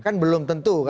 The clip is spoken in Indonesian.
kan belum tentu kan